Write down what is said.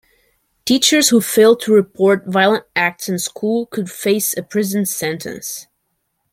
Teachers who fail to report violent acts in school could face a prison sentence.